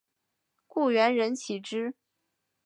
故园人岂知？